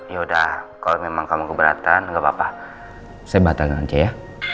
ya udah kalau memang kamu keberatan gak apa apa saya batalin aja ya